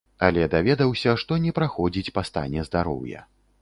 Але даведаўся, што не праходзіць па стане здароўя.